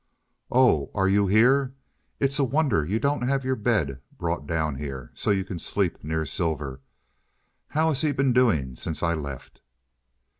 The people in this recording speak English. "Oh, are YOU here? It's a wonder you don't have your bed brought down here, so you can sleep near Silver. How has he been doing since I left?"